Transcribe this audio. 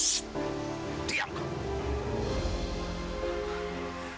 shhh diam kak